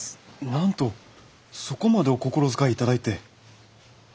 なんとそこまでお心遣い頂いて。